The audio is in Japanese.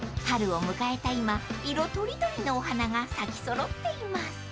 ［春を迎えた今色とりどりのお花が咲き揃っています］